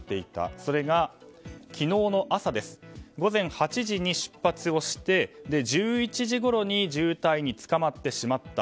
それが昨日の朝午前８時に出発をして１１時ごろに渋滞につかまってしまった。